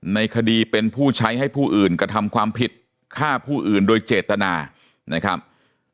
ในคดีเป็นผู้ใช้ให้ผู้อื่นกระทำความผิดฆ่าผู้อื่นโดยเจตนานะครับ